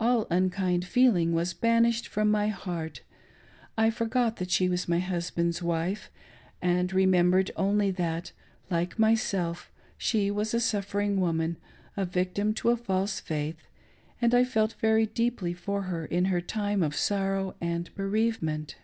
All unkind feeling was banished from my heart — I forgot that she was my husband's wife,, and remembered only that, like myself, she was a suffering woman, a victim to a false faith ; and I felt very deeply for her in her time of sorrow and bereavement.